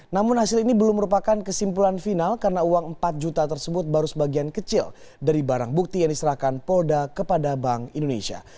namun hasil ini belum merupakan kesimpulan final karena uang empat juta tersebut baru sebagian kecil dari barang bukti yang diserahkan polda kepada bank indonesia